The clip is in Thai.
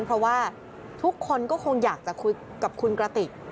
เพราะว่าทุกคนก็คงอยากจะคุยกับคุณกระติก